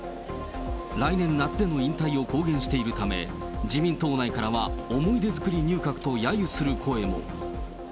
来年夏での引退を公言しているため、自民党内からは、思い出作り入閣とやゆする声も。